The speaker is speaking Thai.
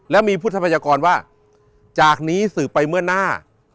แล้วมีพุทธพยากรว่าจากนี้สืบไปเมื่อหน้า